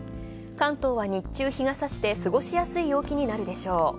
関東は日中、日が差して、すごしやすい陽気になるでしょう。